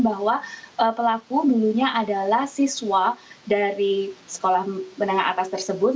bahwa pelaku dulunya adalah siswa dari sekolah menengah atas tersebut